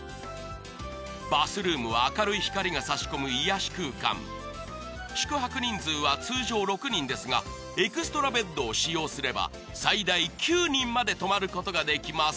バスルームは明るい光が差し込む癒やし空間宿泊人数は通常６人ですがエキストラベッドを使用すれば最大９人まで泊まることができます